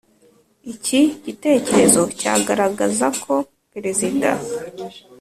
iki gitekerezo cyagaragaza ko perezida